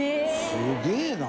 すげえな。